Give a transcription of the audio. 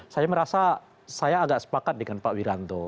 saya merasa saya agak sepakat dengan pak wiranto